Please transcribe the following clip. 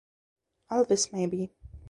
Elvis maybe.